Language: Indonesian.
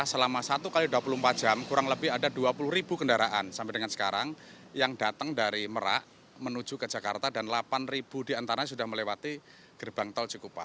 selama satu x dua puluh empat jam kurang lebih ada dua puluh ribu kendaraan sampai dengan sekarang yang datang dari merak menuju ke jakarta dan delapan diantaranya sudah melewati gerbang tol cikupa